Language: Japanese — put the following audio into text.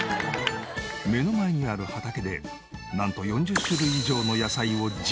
目の前にある畑でなんと４０種類以上の野菜を自給自足。